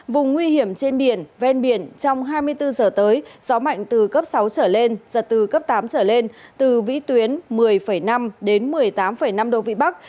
vùng nguy hiểm trên biển ven biển trong hai mươi bốn giờ tới gió mạnh từ cấp sáu trở lên giật từ cấp tám trở lên từ vĩ tuyến một mươi năm đến một mươi tám năm độ vị bắc